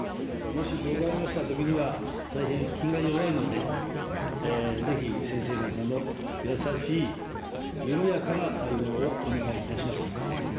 もしございましたときには、大変気が弱いので、ぜひ先生方の優しい緩やかな対応をお願いいたします。